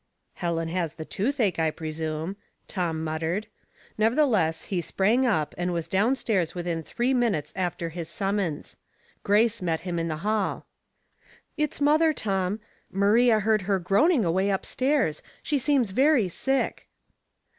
" Helen has the toothache, I presume," Tom muttered ; nevertheless, he sprang up, and was down stairs within three minutes after his suit mons. Grace met him in the hall. 76 What is the Differenced^ 77 *' It's mother, Tom. Maria heard her groaning Rway up stairs. She seems very sick."